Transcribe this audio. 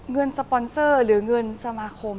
เงินสปอนเซอร์หรือเงินสมาคม